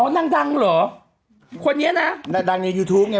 นางดังเหรอคนนี้นะนางดังในยูทูปไง